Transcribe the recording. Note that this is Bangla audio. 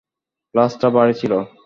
ক্লাচটা ভারি ছিল।